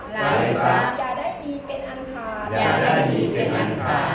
ไร้ทรัพย์อย่าได้มีเป็นอันคาร